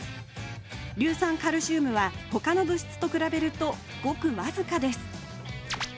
硫酸カルシウムはほかの物質と比べるとごく僅かです